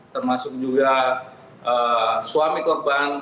termasuk juga suami korban